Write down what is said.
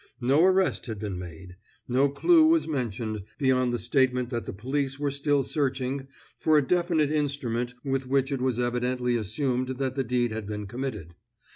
No arrest had been made. No clue was mentioned, beyond the statement that the police were still searching for a definite instrument with which it was evidently assumed that the deed had been committed.